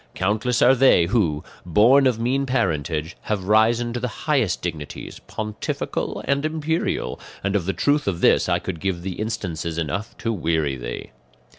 Countless are they who, born of mean parentage, have risen to the highest dignities, pontifical and imperial, and of the truth of this I could give thee instances enough to weary thee.